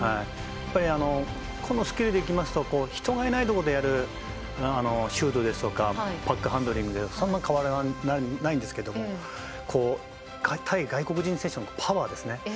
やっぱり個のスキルでいきますと人がいないところでやるシュートですとかパックハンドリングはそんなに変わらないんですけど対外国人選手のパワーですね。